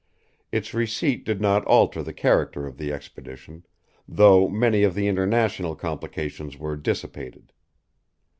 Its receipt did not alter the character of the expedition, though many of the international complications were dissipated.